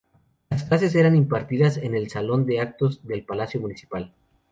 Las clases eran impartidas en el Salón de actos del Palacio Municipal.